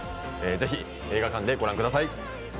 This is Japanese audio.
ぜひ映画館でご覧ください。